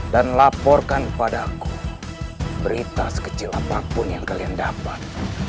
dan laporkan kepada aku berita sekecil apapun yang kalian dapat